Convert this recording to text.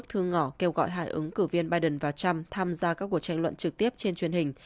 thương ngỏ kêu gọi hải ứng cử viên biden và trump tham gia các cuộc tranh luận trực tiếp trên truyền hình